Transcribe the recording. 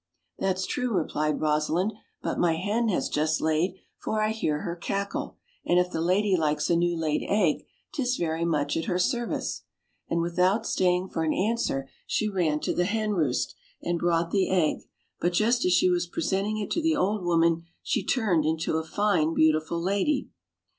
" "That's true," replied Rosalind, "but my hen has just laid, for I hear her cackle, and if the lady likes a new laid egg, 'tis very much at her service;" and with out staying for an answer she ran to the hen roost, and brought the egg; but just as she was presenting it to the old woman she turned into a fine beautiful lady!